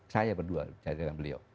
saya berdua jaga jagaan beliau